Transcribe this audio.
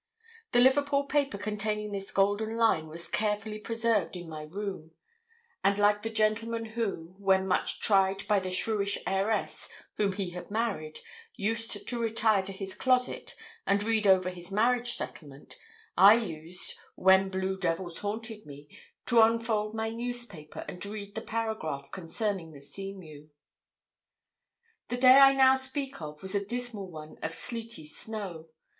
The Liverpool paper containing this golden line was carefully preserved in my room; and like the gentleman who, when much tried by the shrewish heiress whom he had married, used to retire to his closet and read over his marriage settlement, I used, when blue devils haunted me, to unfold my newspaper and read the paragraph concerning the Seamew. The day I now speak of was a dismal one of sleety snow.